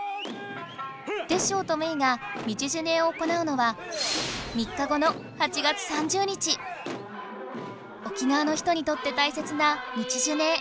テッショウとメイが道ジュネーを行うのは沖縄の人にとってたいせつな道ジュネー。